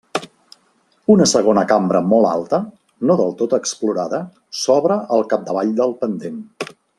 Una segona cambra molt alta, no del tot explorada, s'obre al capdavall del pendent.